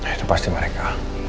ini pasti mereka